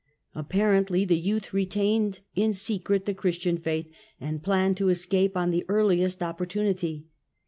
Apparently the youth retained in secret the Christian faith, and planned to escape on the earliest opportunity.